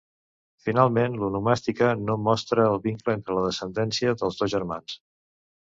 Finalment l'onomàstica no mostre vincle entre la descendència dels dos germans.